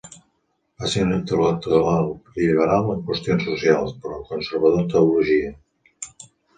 Va ser un intel·lectual lliberal en qüestions socials, però conservador en teologia.